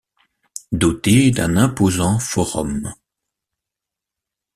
Dotée d'un imposant forum.